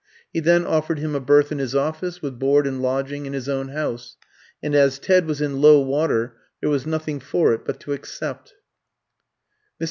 He then offered him a berth in his office, with board and lodging in his own house; and as Ted was in low water, there was nothing for it but to accept. Mr.